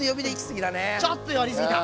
ちょっとやりすぎた！